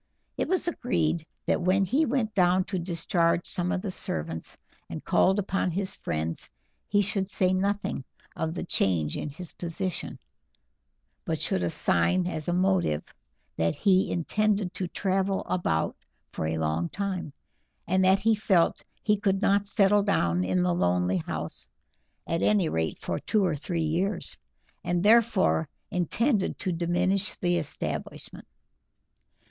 It was agreed that when he went down to discharge some of the servants and called upon his friends he should say nothing of the change in his position, but should assign as a motive that he intended to travel about for a long time, and that he felt he could not settle down in the lonely house, at any rate for two or three years; and therefore intended to diminish the establishment.